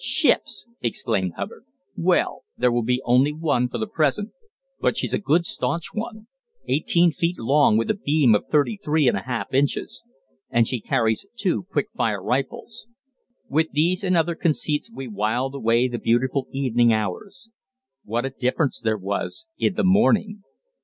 "Ships!", exclaimed Hubbard. "Well, there will be only one for the present. But she's a good staunch one eighteen feet long, with a beam of thirty three and a half inches. And she carries two quick fire rifles." With these and other conceits we whiled away the beautiful evening hours. What a difference there was in the morning!